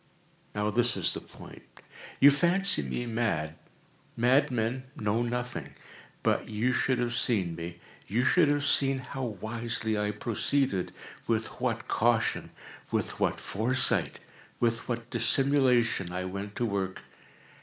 Now this is the point. You fancy me mad. Madmen know nothing. But you should have seen me. You should have seen how wisely I proceeded—with what caution—with what foresight—with what dissimulation I went to work!